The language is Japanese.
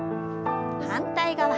反対側。